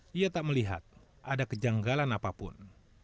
dia tak melihat ada kejanggalan apapun